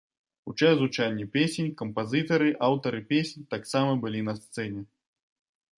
У час гучання песень, кампазітары, аўтары песень таксама былі на сцэне.